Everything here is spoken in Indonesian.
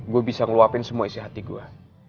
gue bisa ngeluapin semua isi hati gue